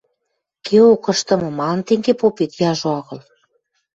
Кеок, ышдымы, малын тенге попет, яжо агыл!